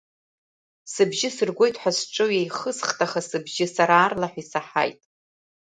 Сыбжьы сыргоит ҳәа сҿы ҩеихысхт, аха сыбжьы сара аарлаҳәа исаҳаит.